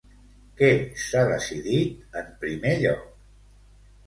Què s'ha decidit en primer lloc?